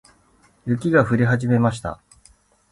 雪が降り始めました。